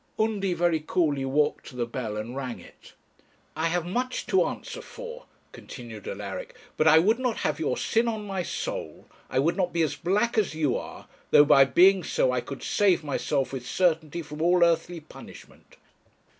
Undy very coolly walked to the bell and rang it. 'I have much to answer for,' continued Alaric, 'but I would not have your sin on my soul, I would not be as black as you are, though, by being so, I could save myself with certainty from all earthly punishment.'